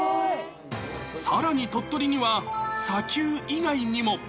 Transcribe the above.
さらに鳥取には砂丘以外にも。